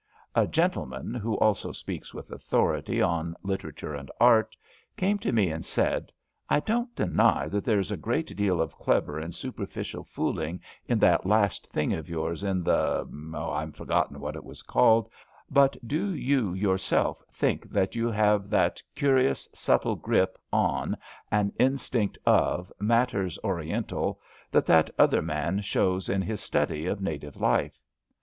A gentleman, who also speaks with authority on Literature and Art, came to me and said: I don't deny that there is a great deal of clever and superficial fooling in that last thing of yours in the — ^IVe forgotten A EEALLY GOOD TIME 241 what it was called— but do you yourself think that you have that curious, subtle grip on and instinct of matters Oriental that that other man shows in his study of native life?